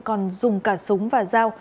còn dùng cả súng và dao